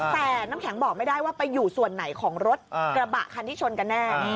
แต่น้ำแข็งบอกไม่ได้ว่าไปอยู่ส่วนไหนของรถกระบะคันที่ชนกันแน่